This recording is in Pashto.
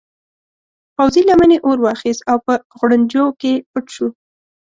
پوځي لمنې اور واخیست او په غوړنجو کې پټ شو.